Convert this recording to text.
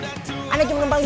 anaknya cuma menempel jiwa